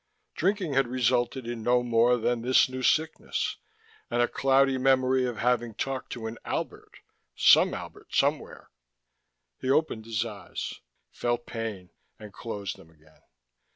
Drinking had resulted in no more than this new sickness, and a cloudy memory of having talked to an Albert, some Albert, somewhere.... He opened his eyes, felt pain and closed them again.